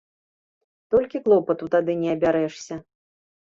Толькі клопату тады не абярэшся.